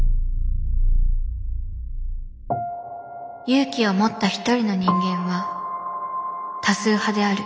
勇気を持った一人の人間は多数派である。